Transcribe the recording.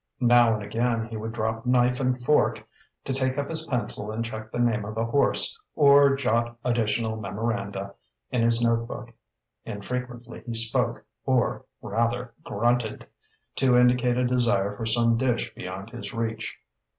Now and again he would drop knife and fork to take up his pencil and check the name of a horse or jot additional memoranda in his note book. Infrequently he spoke or, rather, grunted, to indicate a desire for some dish beyond his reach.